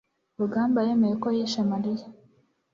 rugamba yemeye ko yishe mariya